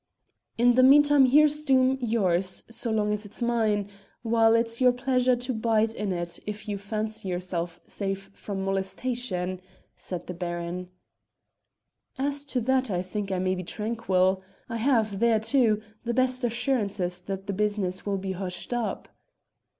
"In the meantime here's Doom, yours so long as it is mine while it's your pleasure to bide in it if you fancy yourself safe from molestation," said the Baron. "As to that I think I may be tranquil. I have, there too, the best assurances that the business will be hushed up."